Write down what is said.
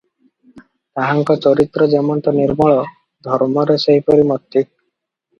ତାହାଙ୍କ ଚରିତ୍ର ଯେମନ୍ତ ନିର୍ମଳ, ଧର୍ମରେ ସେହିପରି ମତି ।